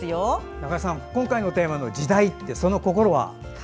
中江さん、今回のテーマの「時代」ってその心は？